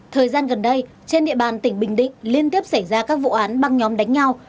thời gian gần đây trên địa bàn tỉnh bình định liên tiếp xảy ra các vụ án băng nhóm đánh nhau